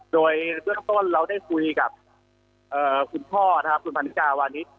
โดยเรื่องต้นเราได้คุยกับคุณพ่อคุณพันธิกาวันนี้